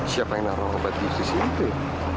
siapa yang ngaruh obat bius disini tuh